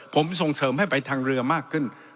ผมส่งเสริมให้ไปทางเรือมากขึ้น